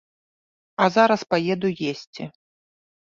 А зараз паеду есці.